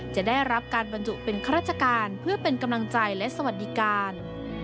จะได้รับการบรรจุเป็นข้าราชการเพื่อเป็นกำลังใจและสวัสดิการ